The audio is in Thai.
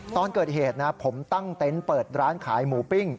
ตอนเกิดเหตุนะผมตั้งเต็นต์เปิดร้านขายหมูปิ้ง